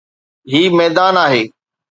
هي ميدان آهي.